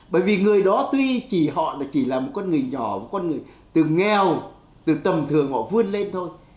bởi vì người đó tuy chỉ họ chỉ là một con người nhỏ con người từ nghèo từ tầm thường họ vươn lên thôi